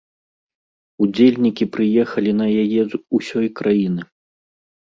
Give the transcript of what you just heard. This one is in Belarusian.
Удзельнікі прыехалі на яе з усёй краіны.